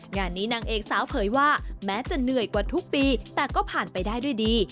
งานนี้นางเอกสาวเผยว่าแม้จะเหนื่อยกว่าทุกปีแต่ก็ผ่านไปได้ด้วยดี